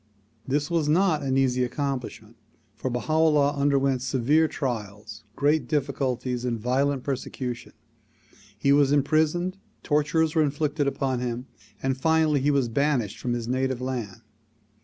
This was not an easy accomplishment, for Baha 'Ullah underwent severe trials, great difficulties and violent per secution. He was imprisoned, tortures were inflicted upon him and finally he was banished from his native land.